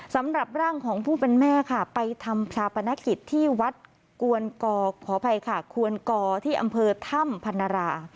สำหรับร่างของผู้เป็นแม่ค่ะไปทำชาปนกิจที่วัดกวนกที่อำเภอถ้ำพันธรรม